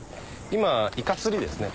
今イカ釣りですね。